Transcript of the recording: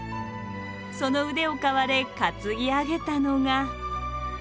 その腕を買われ担ぎ上げたのが。